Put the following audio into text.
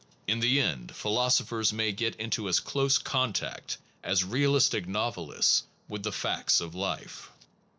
In the end philosophers may get into as close contact as realistic novelists with the facts of life.